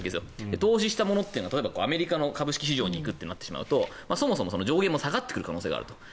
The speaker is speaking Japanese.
投資というのは例えば、アメリカの株式市場に行くとなるとそもそも上限も下がってくる可能性もあると。